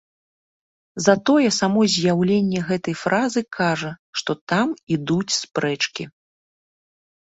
Затое само з'яўленне гэтай фразы кажа, што там ідуць спрэчкі.